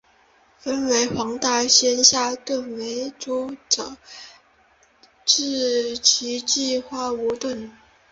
分为黄大仙下邨为租者置其屋计划屋邨。